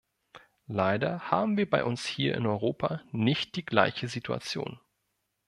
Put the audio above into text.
Leider haben wir bei uns hier in Europa nicht die gleiche Situation.